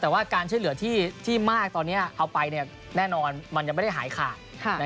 แต่ว่าการช่วยเหลือที่มากตอนนี้เอาไปแน่นอนมันยังไม่ได้หายขาด